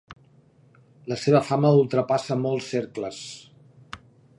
La seva fama ultrapassa molts cercles.